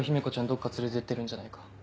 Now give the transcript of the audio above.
どっか連れてってるんじゃないか？